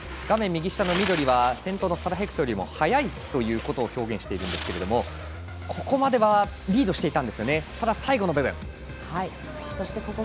画面の緑は先頭のサラ・ヘクトルよりも速いということを表現しているんですが途中までリードしてたんですが最後の部分ですね。